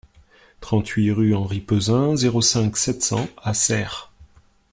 trente-huit rue Henri Peuzin, zéro cinq, sept cents à Serres